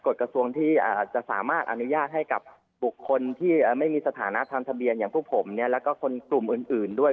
กระทรวงที่จะสามารถอนุญาตให้กับบุคคลที่ไม่มีสถานะทางทะเบียนอย่างพวกผมแล้วก็คนกลุ่มอื่นด้วย